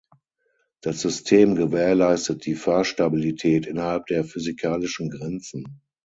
Das System gewährleistet die Fahrstabilität innerhalb der physikalischen Grenzen.